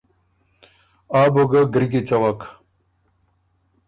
آ بو ګۀ ګری کی څوک۔